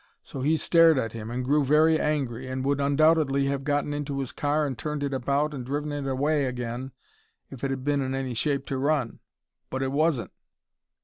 So he stared at him, and grew very angry, and would undoubtedly have gotten into his car and turned it about and driven it away again if it had been in any shape to run. But it wasn't.